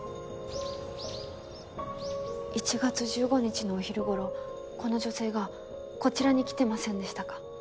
１月１５日のお昼頃この女性がこちらに来てませんでしたか？